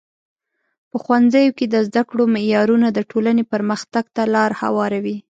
په ښوونځیو کې د زده کړو معیارونه د ټولنې پرمختګ ته لار هواروي.